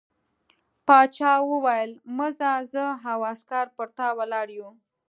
باچا وویل مه ځه زه او عسکر پر تا ولاړ یو.